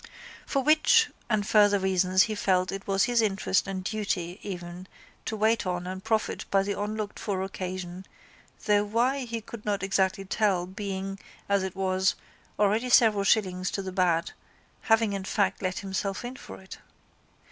For which and further reasons he felt it was his interest and duty even to wait on and profit by the unlookedfor occasion though why he could not exactly tell being as it was already several shillings to the bad having in fact let himself in for it.